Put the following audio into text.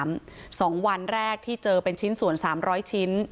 ๒วันแรกที่เจอเป็นชิ้นส่วน๓๐๐ชิ้น